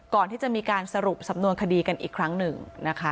ก่อนที่จะมีการสรุปสำนวนคดีกันอีกครั้งหนึ่งนะคะ